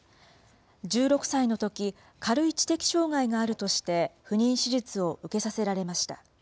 １６歳のとき、軽い知的障害があるとして不妊手術を受けさせられました。